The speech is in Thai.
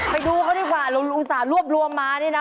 ไปดูเขาดีกว่าเราอุตส่าห์รวบรวมมานี่นะ